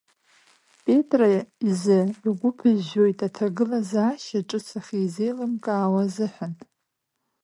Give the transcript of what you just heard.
Петра изы игәы ԥыжәжәоит аҭагылазаашьа ҿыц ахьизеилымкаауа азыҳәан.